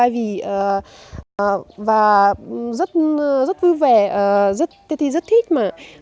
và rất vui vẻ rất thích mà